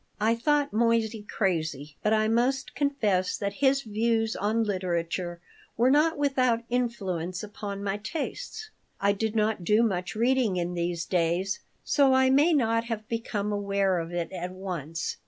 I thought Moissey crazy, but I must confess that his views on literature were not without influence upon my tastes. I did not do much reading in these days, so I may not have become aware of it at once.